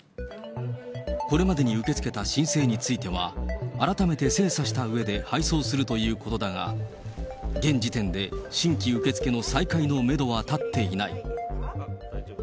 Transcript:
これまでに受け付けた申請については、改めて精査したうえで配送するということだが、現時点で新規受け付けの再開のメドは立っていない。